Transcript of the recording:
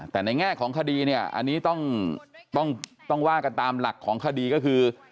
แต่ในแง่ของคดีเนี่ยอันนี้ต้องว่ากันตามหลักของคดีก็คือ